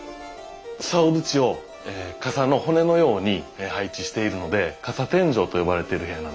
さお縁を傘の骨のように配置しているので傘天井と呼ばれている部屋なんですよ。